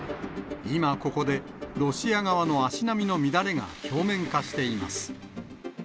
今、ここで、ロシア側の足並みの乱れが表面化しています。